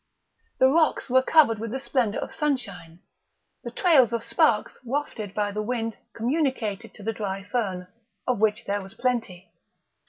The rocks were covered with the splendour of sunshine; the trails of sparks wafted by the wind communicated to the dry fern, of which there was plenty.